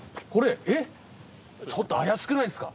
ちょっと怪しくないですか？